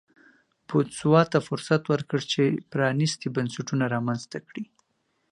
بوتسوانا ته فرصت ورکړ چې پرانیستي بنسټونه رامنځته کړي.